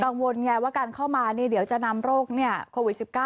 ไงว่าการเข้ามาเดี๋ยวจะนำโรคโควิด๑๙